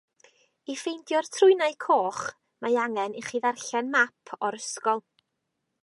I ffeindio'r trwynau coch mae angen i chi ddarllen map o'r ysgol.